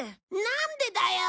なんでだよ！